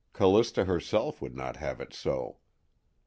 Callista herself would not have it so.